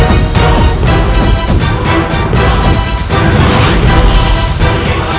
untuk membela negeri ini